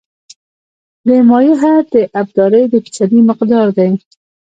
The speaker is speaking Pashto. د مایع حد د ابدارۍ د فیصدي مقدار دی